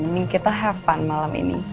ini kita have fun malam ini